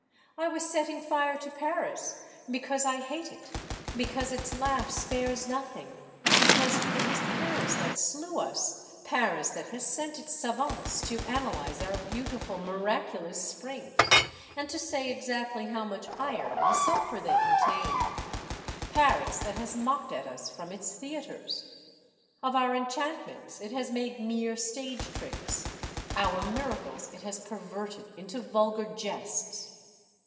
I was setting fire to Paris — because I hate it, because its laugh spares nothing, because it is Paris that slew us, Paris that has sent its savants to ana lyze our beautiful, miraculous springs, and to say exactly how much iron and sulphur they contain, Paris that has mocked at us from its theatres. Of our enchantments it has made mere stage tricks, our miracles it has perverted into vulgar jests.